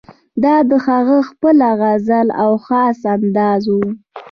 دا د هغه خپله غزل او خاص انداز وو.